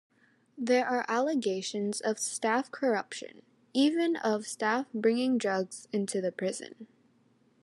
There are allegations of staff corruption, even of staff bringing drugs into the prison.